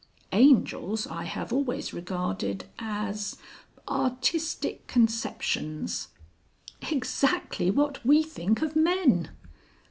Angels I have always regarded as artistic conceptions " "Exactly what we think of men."